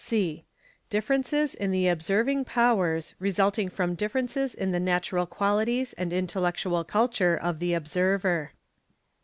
(c) Differences in the observing powers, resulting from differences in the iy) natural qualities and intellectual culture of the observer.